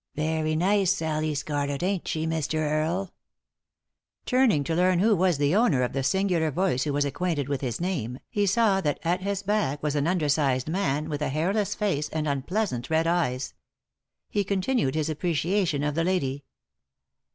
" Very nice, Sallie Scarlett, ain't she, Mr. Earle ?" 3i 9 iii^d by Google THE INTERRUPTED KISS Turning to learn who was the owner of the singular voice who was acquainted with his name, he saw that at his back was an undersized man with a hairless race and unpleasant red eyes. He continued his appreciation of the lady.